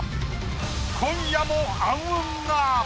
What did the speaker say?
今夜も暗雲が！